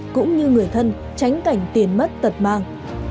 cũng như người thân tránh cảnh tiền mất tật mang